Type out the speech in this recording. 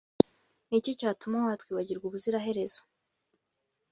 Ni iki cyatuma watwibagirwa ubuziraherezo,